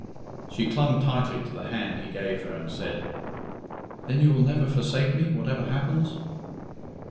She clung tightly to the hand he gave her, and said, "Then you will never forsake me, whatever happens?"